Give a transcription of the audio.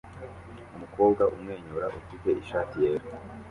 Umukobwa umwenyura ufite ishati yera